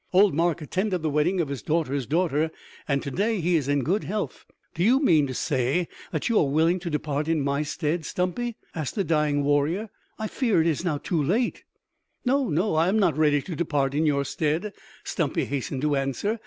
Old Mark attended the wedding of his daughter's daughter, and to day he is in good health " "Do you mean to say that you are willing to depart in my stead, Stumpy?" asked the dying warrior. "I fear it is now too late " "No, no; I am not ready to depart in your stead," Stumpy hastened to answer.